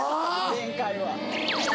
前回は。